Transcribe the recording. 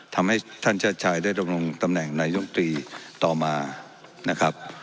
ทำให้ท่านชาติชายได้ดำรงตำแหน่งนายกตรีต่อมานะครับ